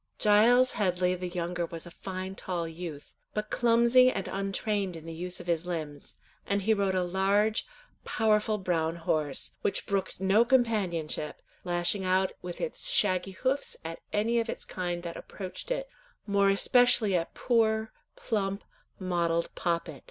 Giles Headley the younger was a fine tall youth, but clumsy and untrained in the use of his limbs, and he rode a large, powerful brown horse, which brooked no companionship, lashing out with its shaggy hoofs at any of its kind that approached it, more especially at poor, plump, mottled Poppet.